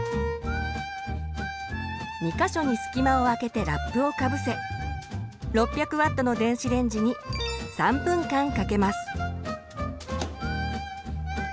２か所に隙間をあけてラップをかぶせ６００Ｗの電子レンジに３分間かけます。